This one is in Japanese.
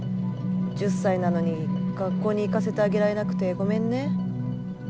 １０歳なのに学校に行かせてあげられなくてごめんね。